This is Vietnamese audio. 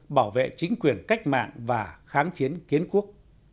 bảo vệ chính quyền cách mạng và kháng chiến kiến quốc